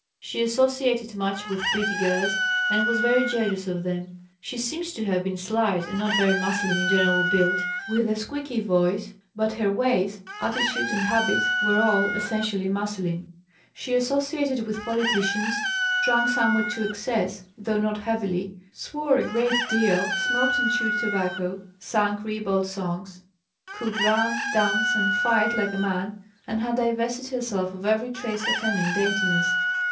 She associated much with pretty girls, and was very jealous of them. She seems to have been slight and not very masculine in general build, with a squeaky voice, but her ways, attitude, and habits were all essentially masculine. She associated with politicians, drank somewhat to excess, though not heavily, swore a great deal, smoked and chewed tobacco, sang ribald songs; could run, dance, and fight like a man, and had divested herself of every trace of feminine daintiness.